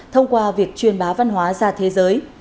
thông qua việc truyền bá văn hóa ra thế giới